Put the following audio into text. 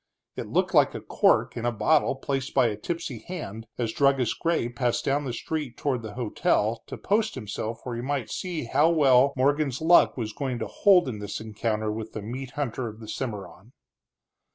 It looked like a cork in a bottle placed by a tipsy hand as Druggist Gray passed down the street toward the hotel, to post himself where he might see how well Morgan's luck was going to hold in this encounter with the meat hunter of the Cimarron.